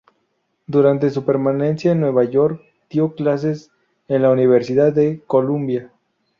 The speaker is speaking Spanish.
Durante su permanencia en Nueva York dio clases en la Universidad de Columbia.